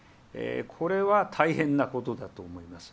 これは大変なことだと思います。